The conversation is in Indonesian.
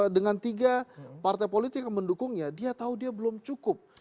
dengan tiga partai politik yang mendukungnya dia tahu dia belum cukup